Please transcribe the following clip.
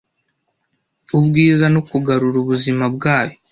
ubwiza no kugarura ubuzima bwayo